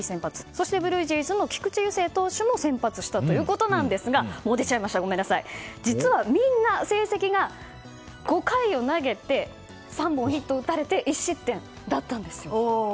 そしてブルージェイズの菊池雄星投手も先発したということですが実は、みんな成績が５回を投げて３本ヒットを打たれて１失点だったんですよ。